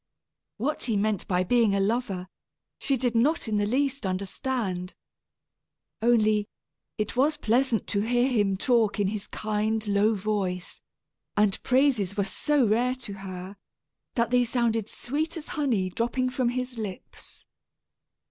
What he meant by being a lover, she did not in the least understand. Only, it was pleasant to hear him talk in his kind, low voice; and praises were so rare to her, that they sounded sweet as honey dropping from his lips.